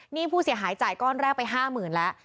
นี่ผู้เสียหายจ่ายก้อนแรกไปห้าหมื่นแล้ว